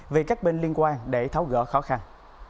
về các bên liên quan để tháo gỡ khó khăn